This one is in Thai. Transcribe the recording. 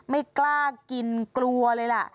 ไม่กล้ากินกลัวเลยล่ะ